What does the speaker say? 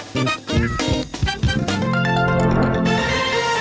โปรดติดตามตอนต่อไป